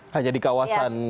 hanya di kawasan